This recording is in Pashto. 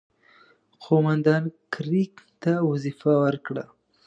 قوماندان کرېګ ته وظیفه ورکړه.